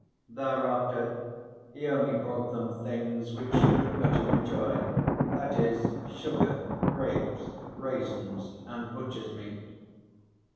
Thereafter he only brought them things which she could better enjoy, that is sugar, grapes, raisins, and butcher's meat.